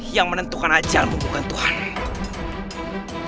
yang menentukan ajalmu bukan tuhanmu